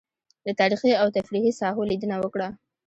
له تاريخي او تفريحي ساحو لېدنه وکړه.